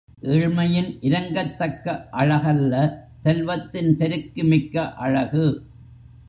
ஏழ்மையின் இரங்கத் தக்க அழகல்ல செல்வத்தின் செருக்கு மிக்க அழகு.